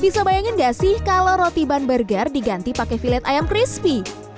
bisa bayangin gak sih kalau roti ban burger diganti pakai villate ayam crispy